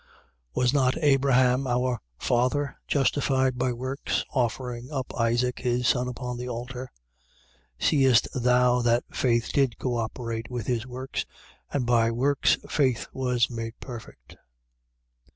2:21. Was not Abraham our father justified by works, offering up Isaac his son upon the altar? 2:22. Seest thou that faith did cooperate with his works and by works faith was made perfect?